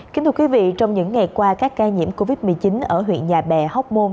kính thưa quý vị trong những ngày qua các ca nhiễm covid một mươi chín ở huyện nhà bè hóc môn